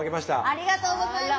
ありがとうございます。